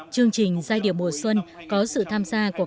chương trình giai điệu mùa xuân có sự tham gia của các thành công